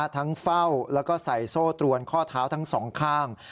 เฝ้าแล้วก็ใส่โซ่ตรวนข้อเท้าทั้งสองข้าง